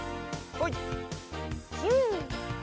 はい。